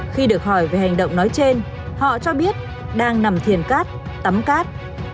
khi được hỏi về hành động nói trên họ cho biết đang nằm thiền cát tắm cát